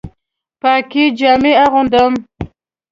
پاکې جامې اغوندم